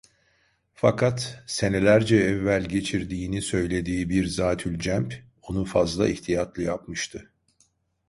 Fakat senelerce evvel geçirdiğini söylediği bir zatülcenp onu fazla ihtiyatlı yapmıştı.